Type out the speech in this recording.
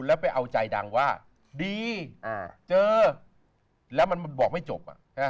แล้วไปเอาใจดังว่าดีเจอแล้วมันบอกไม่จบ